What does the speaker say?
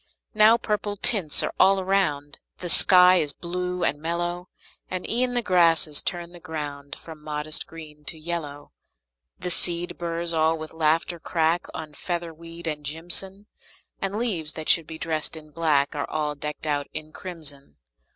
Now purple tints are all around; The sky is blue and mellow; And e'en the grasses turn the ground From modest green to yellow. The seed burrs all with laughter crack On featherweed and jimson; And leaves that should be dressed in black Are all decked out in crimson.